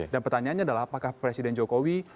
dan pertanyaannya adalah apakah presiden jokowi